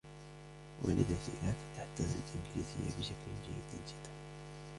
والدتي لا تتحدث الإنجليزية بشكل جيد جداً.